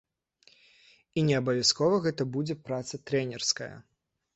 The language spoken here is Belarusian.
І неабавязкова гэта будзе праца трэнерская.